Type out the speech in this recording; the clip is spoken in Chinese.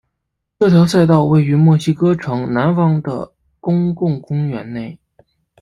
这条赛道位于墨西哥城南方的的公共公园内。